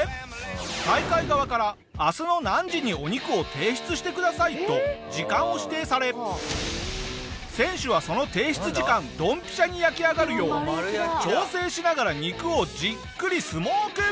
大会側から「明日の何時にお肉を提出してください」と時間を指定され選手はその提出時間ドンピシャに焼き上がるよう調整しながら肉をじっくりスモーク！